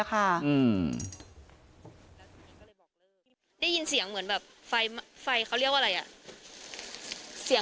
ได้ยินเสียงเหมือนแบบไฟเขาเรียกว่าอะไร